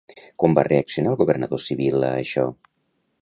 Com va reaccionar el governador civil a això?